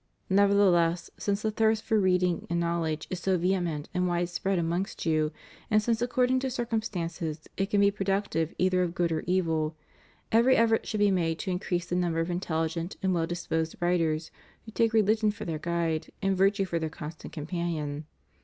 Never theless, since the thirst for reading and knowledge is so vehement and widespread amongst you, and since, ac cording to circumstances, it can be productive either of good or evil, every effort should be made to increase the number of intelHgent and well disposed writers who take religion for their guide and virtue for their constant companion.